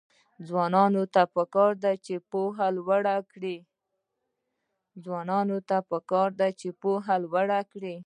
ځوانانو ته پکار ده چې، پوهه لوړه کړي.